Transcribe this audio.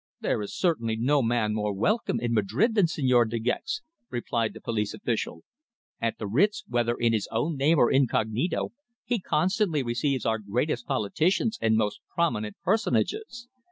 "There is certainly no man more welcome in Madrid than Señor De Gex," replied the police official. "At the Ritz, whether in his own name or incognito, he constantly receives our greatest politicians and most prominent personages.